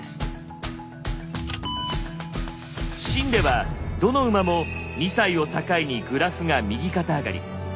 秦ではどの馬も２歳を境にグラフが右肩上がり。